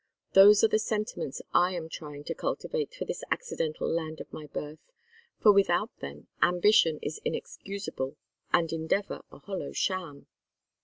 Those are the sentiments I am trying to cultivate for this accidental land of my birth, for without them ambition is inexcusable and endeavor a hollow sham."